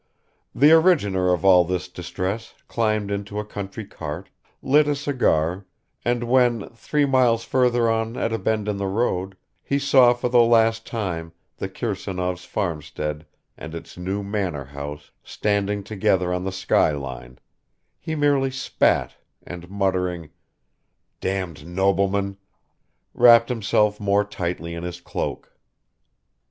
The originator of all this distress climbed into a country cart, lit a cigar, and when, three miles further on at a bend in the road, he saw for the last time the Kirsanovs' farmstead and its new manor house standing together on the sky line, he merely spat and muttering, "Damned noblemen," wrapped himself more tightly in his cloak.